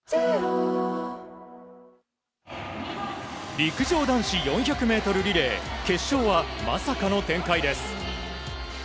陸上男子４００ｍリレー決勝はまさかの展開です。